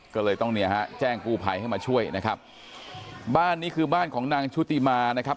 ก็เลยต้องเนี่ยฮะแจ้งกู้ภัยให้มาช่วยนะครับบ้านนี้คือบ้านของนางชุติมานะครับ